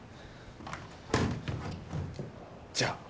じゃあ。